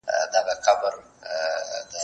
زه بايد سندري واورم،